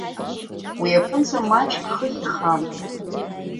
Уи аԥынҵа маҷк хыхь ихан.